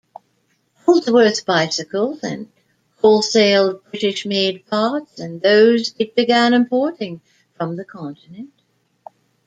Holdsworth bicycles and wholesaled British-made parts and those it began importing from the continent.